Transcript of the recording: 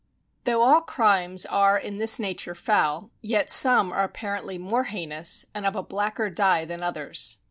Though all crimes are in this nature foul, yet some are apparently more heinous, and of a blacker die than others.